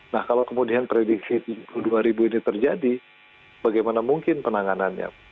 nah kalau kemudian prediksi tujuh puluh dua ribu ini terjadi bagaimana mungkin penanganannya